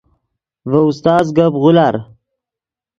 ڤے استاز گپ غولار